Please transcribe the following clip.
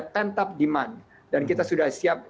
pent up demand dan kita sudah siap